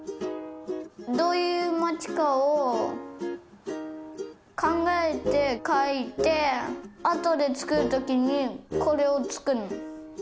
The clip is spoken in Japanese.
どういう町かをかんがえてかいてあとでつくるときにこれをつくるの。